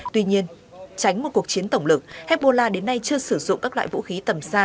tuy nhiên tránh một cuộc chiến tổng lực hezbollah đến nay chưa sử dụng các loại vũ khí tầm xa